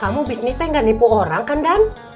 kamu bisnis teh gak nipu orang kan dan